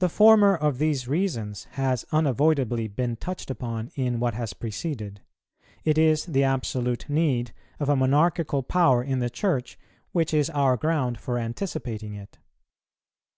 The former of these reasons has unavoidably been touched upon in what has preceded. It is the absolute need of a monarchical power in the Church which is our ground for anticipating it.